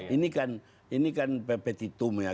ini kan pepetitum ya